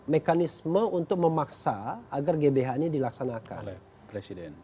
mekanisme untuk memaksa agar gbhn ini dilaksanakan